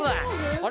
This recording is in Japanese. あれ？